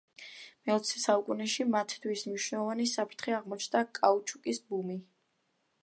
მეოცე საუკუნეში, მათთვის მნიშვნელოვანი საფრთხე აღმოჩნდა კაუჩუკის ბუმი.